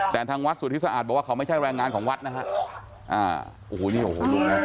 แต่ทางวัดสุทธิสะอาดบอกว่าเขาไม่ใช่แรงงานของวัดนะครับ